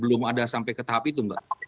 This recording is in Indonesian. belum ada sampai ke tahap itu mbak